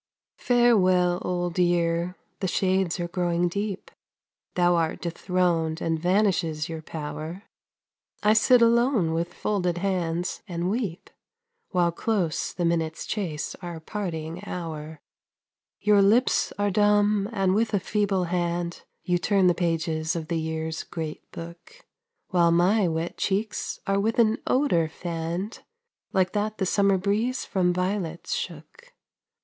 Farewell, Old Year, the shades are growing deep, Thou art dethroned and vanishes your power; I sit alone with folded hands and weep, While close the minutes chase our parting hour. Your lips are dumb, and with a feeble hand You turn the pages of the year's great book, While my wet cheeks are with an odor fanned, Like that the summer breeze from violets shook.